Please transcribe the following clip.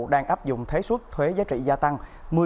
đang áp dụng thế suất thuế giá trị gia tăng